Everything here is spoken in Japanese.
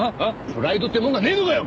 プライドってもんがねえのかよ！？